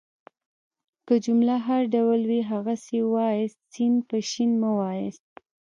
که جمله هر ډول وي هغسي يې وایاست. س په ش مه واياست.